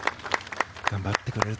頑張ってくれる。